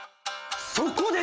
そこで！